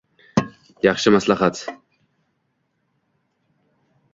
Yaxshi maslahat